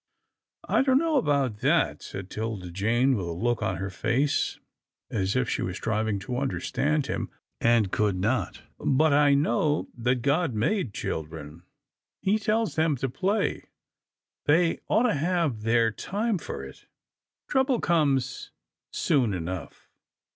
" I don't know about that," said 'Tilda Jane with 20 'TILDA JANE'S ORPHANS a look on her face as if she were striving to under stand him, and could not, " but I know that God made children. He tells them to play. They ought to have their time for it. Trouble comes soon enough."